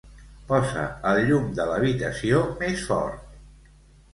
Posa el llum de l'habitació més fort.